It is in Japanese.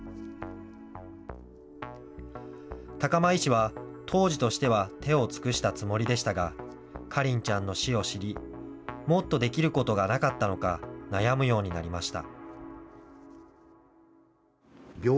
高間医師は当時としては手を尽くしたつもりでしたが、花梨ちゃんの死を知り、もっとできることがなかったのか悩むようになりました。